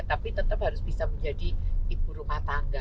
tapi tetap harus bisa menjadi ibu rumah tangga